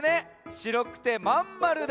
しろくてまんまるで。